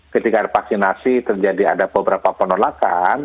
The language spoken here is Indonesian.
ketika ada vaksinasi terjadi ada beberapa penolakan